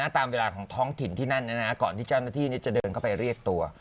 ตามเวลาของท้องถิ่นที่นั่นก่อนที่เจ้าหน้าที่จะเดินเข้าไปเรียกตัว